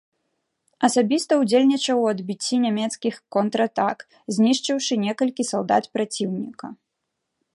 Асабіста ўдзельнічаў у адбіцці нямецкіх контратак, знішчыўшы некалькі салдат праціўніка.